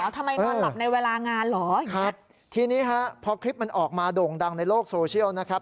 นอนหลับในเวลางานเหรอครับทีนี้ฮะพอคลิปมันออกมาโด่งดังในโลกโซเชียลนะครับ